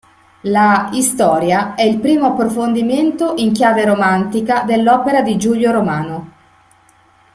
La "Historia..." è il primo approfondimento in chiave romantica dell'opera di Giulio Romano.